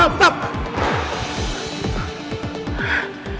tolong jangan keranteng disini